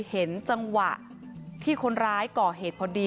เห็นจังหวะที่คนร้ายก่อเหตุพอดี